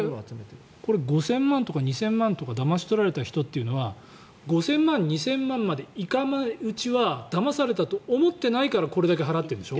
５０００万円とか２０００万円とかだまし取られた人は５０００万円とか２０００万円とか行くのはだまされたと思ってないからこれだけ払っているわけでしょ。